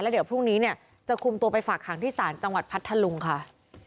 เดี๋ยวพรุ่งนี้เนี่ยจะคุมตัวไปฝากหางที่ศาลจังหวัดพัทธลุงค่ะ